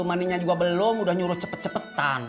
mandinya juga belum udah nyuruh cepet cepetan